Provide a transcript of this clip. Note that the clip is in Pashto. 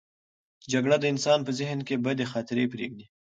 جګړه د انسانانو په ذهن کې بدې خاطرې پرېږدي.